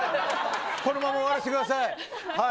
このまま終わらせてください。